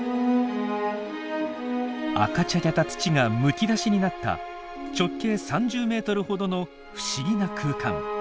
赤茶けた土がむき出しになった直径３０ｍほどの不思議な空間。